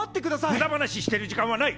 ムダ話してる時間はない！